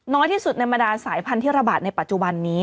น้อยที่สุดในบรรดาสายพันธุ์ที่ระบาดในปัจจุบันนี้